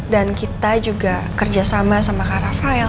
dan kita juga kerjasama sama kara fail